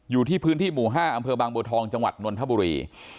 อยู่ที่พื้นที่หมู่๕อำเภอบางบัวทองจังหวัดนนทบุรี